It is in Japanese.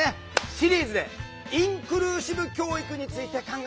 シリーズで「インクルーシブ教育」について考えていきます。